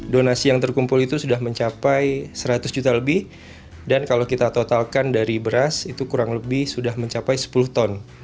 donasi yang terkumpul itu sudah mencapai seratus juta lebih dan kalau kita totalkan dari beras itu kurang lebih sudah mencapai sepuluh ton